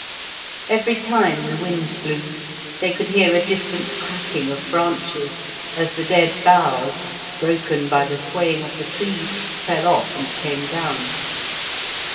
Every time the wind blew they could hear a distant cracking of branches as the dead boughs, broken by the swaying of the trees, fell off and came down.